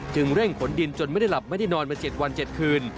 เร่งขนดินจนไม่ได้หลับไม่ได้นอนมา๗วัน๗คืน